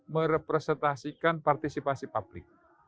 merepresentasikan partisipasi publik